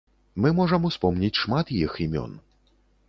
Мы можам успомніць шмат іх імён.